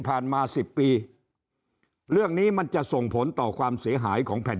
มาสิบปีเรื่องนี้มันจะส่งผลต่อความเสียหายของแผ่น